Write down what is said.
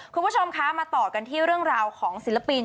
คุณผู้ชมคะมาต่อกันที่เรื่องราวของศิลปิน